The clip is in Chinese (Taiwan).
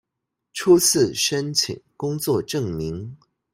初次申請工作證明